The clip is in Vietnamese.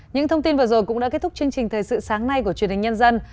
những thông tin vừa rồi cũng đã kết thúc chương trình thời sự sáng nay của truyền hình nhân dân